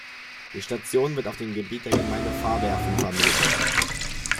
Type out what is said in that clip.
Die Station wird auf dem Gebiet der Gemeinde Pfarrwerfen vermutet.